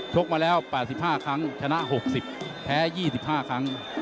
กมาแล้ว๘๕ครั้งชนะ๖๐แพ้๒๕ครั้ง